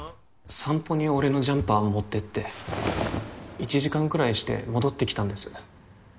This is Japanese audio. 散歩に俺のジャンパーを持ってって１時間くらいして戻ってきたんです